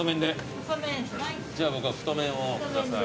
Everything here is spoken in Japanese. じゃあ僕は太麺をください。